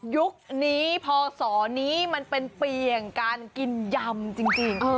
ยุคนี้พศนี้มันเป็นเปี่ยงการกินยำจริง